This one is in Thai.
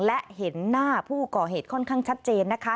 และเห็นหน้าผู้ก่อเหตุค่อนข้างชัดเจนนะคะ